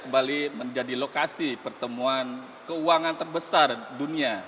kembali menjadi lokasi pertemuan keuangan terbesar dunia